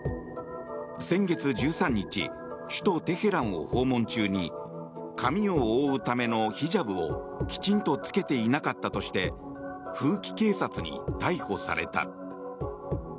先月１３日首都テヘランを訪問中に髪を覆うためのヒジャブをきちんと着けていなかったとして風紀警察に逮捕された。